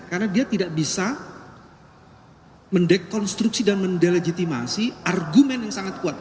karena dia tidak bisa mendekonstruksi dan mendilegitimasi argumen yang sangat kuat itu